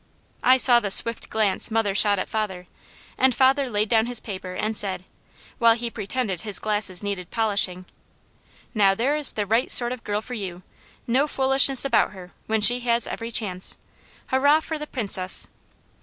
I saw the swift glance mother shot at father, and father laid down his paper and said, while he pretended his glasses needed polishing: "Now there is the right sort of a girl for you. No foolishness about her, when she has every chance. Hurrah for the Princess!"